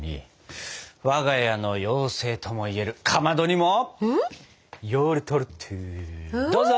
我が家の妖精ともいえるかまどにもヨウルトルットゥどうぞ！